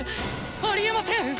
ありえません！